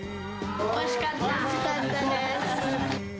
おいしかったです。